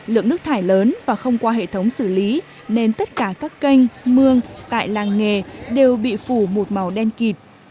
lượng nước thải lớn và không qua hệ thống xử lý nên tất cả các kênh mương tại làng nghề đều bị phủ một màu đen kịp